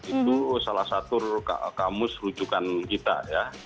itu salah satu kamus rujukan kita ya